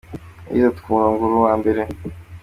Yageze ku murongo ari uwa mbere.